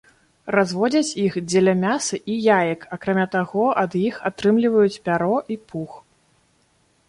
Разводзяць іх дзеля мяса і яек, акрамя таго ад іх атрымліваюць пяро і пух.